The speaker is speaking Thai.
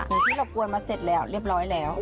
ที่เรากวนมาเสร็จแล้วเรียบร้อยแล้ว